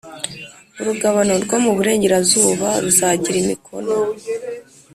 Urugabano rwo mu burengerazuba ruzagira imikono